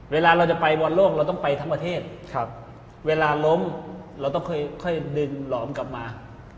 เวลาเราจะไปบอลโลกเราต้องไปทั้งประเทศเวลาล้มเราต้องค่อยดึงหลอมกลับมา